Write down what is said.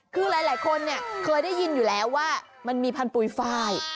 คือหลายหลายคนเนี้ยเคยได้ยินอยู่แล้วว่ามันมีพันธุ์ปุ๋ยฟาย